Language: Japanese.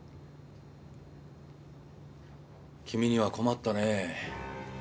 君には困ったねぇ。